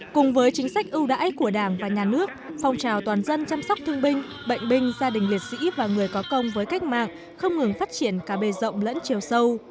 cùng với chính sách ưu đãi của đảng và nhà nước phong trào toàn dân chăm sóc thương binh bệnh binh gia đình liệt sĩ và người có công với cách mạng không ngừng phát triển cả bề rộng lẫn chiều sâu